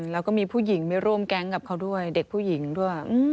แล้วก็มีผู้หญิงไม่ร่วมแก๊งกับเขาด้วยเด็กผู้หญิงด้วย